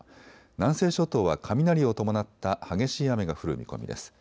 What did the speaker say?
南西諸島は雷を伴った激しい雨が降る見込みです。